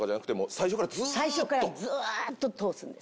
最初からずーっと通すんです。